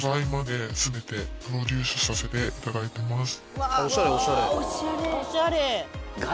させていただいてます。